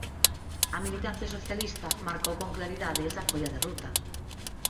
A militancia socialista marcou con claridade esa folla de ruta.